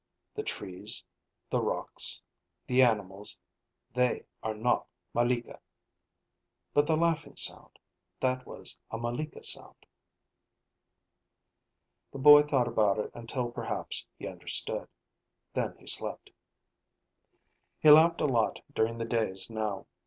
"The trees, the rocks, the animals, they are not malika. But the laughing sound, that was a malika sound." The boy thought about it until perhaps he understood. Then he slept. He laughed a lot during the days now.